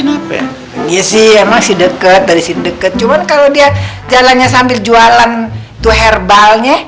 ngapain iya sih emang sih deket dari sini deket cuman kalau dia jalannya sambil jualan tuh herbalnya